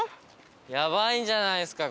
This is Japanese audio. やばいんじゃないですか？